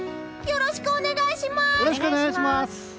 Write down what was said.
よろしくお願いします！